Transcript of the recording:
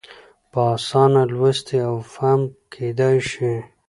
په اسانه لوستی او فهم کېدای شي.